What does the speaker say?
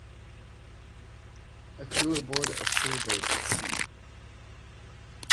A crew aboard a sailboat at sea.